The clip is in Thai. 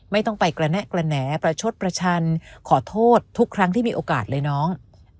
ไม่ต้องไปกระแนะกระแหน่ประชดประชันขอโทษทุกครั้งที่มีโอกาสเลยน้อง